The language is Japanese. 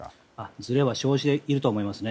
ずれは生じていると思います。